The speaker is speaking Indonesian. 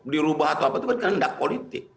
dirubah atau apa itu kan tidak politik